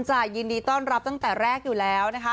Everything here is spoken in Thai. จ่ายินดีต้อนรับตั้งแต่แรกอยู่แล้ว